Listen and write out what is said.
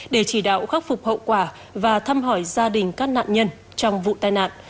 để chỉ đạo khắc phục hậu quả và thăm hỏi gia đình các nạn nhân trong vụ tai nạn